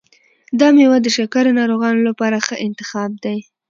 دا میوه د شکرې ناروغانو لپاره ښه انتخاب دی.